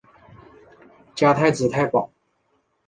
加太子太保。